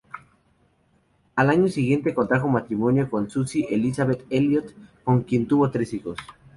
Al año siguiente contrajo matrimonio con Susie Elisabeth Elliot, con quien tuvo tres hijos.